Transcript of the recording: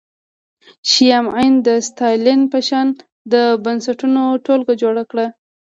شیام عین د ستالین په شان د بنسټونو ټولګه جوړه کړه